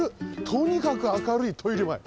とにかく明るいトイレまえ。